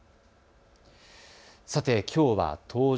さて、きょうは冬至。